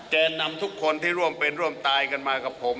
แกนนำทุกคนที่ร่วมเป็นร่วมตายกันมากับผม